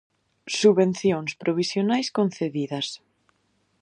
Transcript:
Subvencións provisionais concedidas.